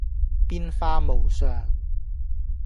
變化無常